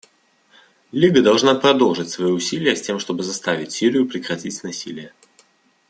Лига должна продолжить свои усилия, с тем чтобы заставить Сирию прекратить насилие.